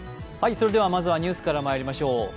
まずはニュースからまいりましょう。